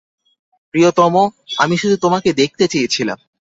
প্রিয়তম, আমি শুধু তোমাকে দেখতে চেয়েছিলাম।